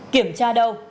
kiểm tra đâu